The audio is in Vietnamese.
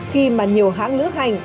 khi mà nhiều hãng lưỡng hành